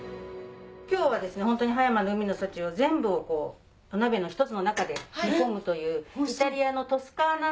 今日はホントに葉山の海の幸を全部お鍋の一つの中で煮込むという。